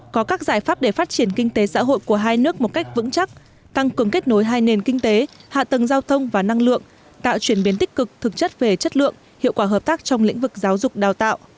có các giải pháp để phát triển kinh tế xã hội của hai nước một cách vững chắc tăng cường kết nối hai nền kinh tế hạ tầng giao thông và năng lượng tạo chuyển biến tích cực thực chất về chất lượng hiệu quả hợp tác trong lĩnh vực giáo dục đào tạo